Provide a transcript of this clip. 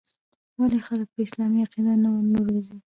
ولـې خـلـک پـه اسـلامـي عـقـيده نـه روزي.